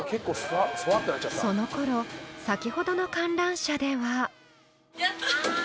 ［その頃先ほどの観覧車では］